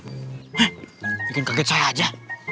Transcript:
eh bikin kaget saya aja